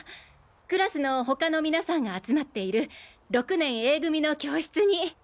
クラスの他の皆さんが集まっている６年Ａ組の教室に。